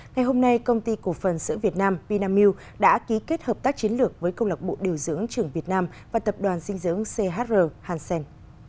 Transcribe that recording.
ngày hôm nay công ty cổ phần sữa việt nam vinamilk đã ký kết hợp tác chiến lược với công lạc bộ điều dưỡng trưởng việt nam và tập đoàn dinh dưỡng chr hansen